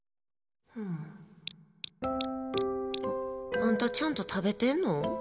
あんた、ちゃんと食べてんの？